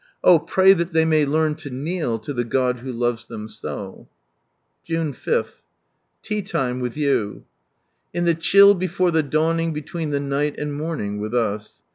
Oh, pray that they may learn to in«/ to the Cod who loves them so. /une 5. — Tea time with you. " In the chill before the dawning between the night and morning" with us.